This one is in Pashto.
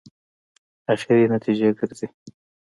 اخري نتیجې ګرځي.